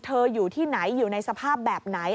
อยู่ที่ไหนอยู่ในสภาพแบบไหน